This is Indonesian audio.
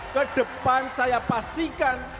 kedepan saya pastikan